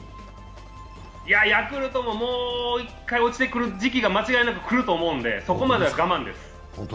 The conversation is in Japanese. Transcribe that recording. いや、ヤクルトも、もう１回落ちてくる時期が来ると思うのでそこまでは我慢です。